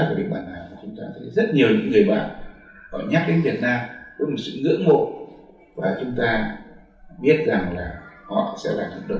tự trung lại thì tôi nghĩ là nó phụ thuộc rất là nhiều